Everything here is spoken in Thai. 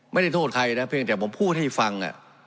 ไม่ได้โทษใครนะเพียงแต่ผมพูดให้ฟัง